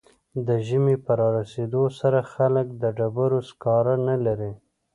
د ژمي په رارسیدو سره خلک د ډبرو سکاره نلري